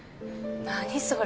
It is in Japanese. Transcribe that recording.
何それ？